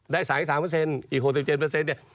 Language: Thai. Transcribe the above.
สาย๓อีก๖๗เนี่ย